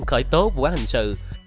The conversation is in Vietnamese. khởi tố vụ án hình sự